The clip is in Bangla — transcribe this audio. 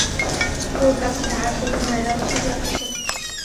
তোর কাছে আর কোনো ভাইরাল ছবি আছে?